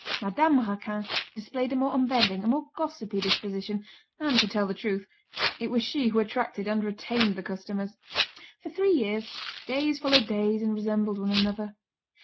Madame Raquin displayed a more unbending, a more gossipy disposition, and, to tell the truth, it was she who attracted and retained the customers. For three years, days followed days and resembled one another.